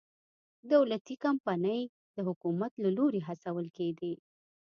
دولتي کمپنۍ د حکومت له لوري هڅول کېدې.